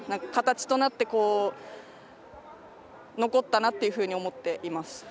形となって残ったなというふうに思っています。